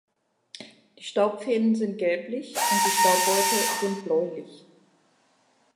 Die Staubfäden sind gelblich und die Staubbeutel sind bläulich.